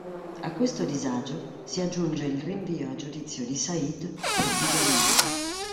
A questo disagio si aggiunge il rinvio a giudizio di Said per bigamia.